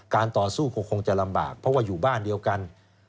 ต่อสู้ก็คงจะลำบากเพราะว่าอยู่บ้านเดียวกัน